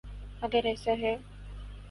اگر ایسا ہے۔